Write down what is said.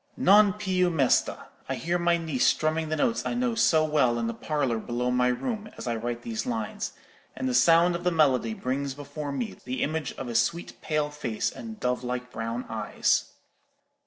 'Non più mesta'—I hear my niece strumming the notes I know so well in the parlour below my room, as I write these lines, and the sound of the melody brings before me the image of a sweet pale face and dove like brown eyes.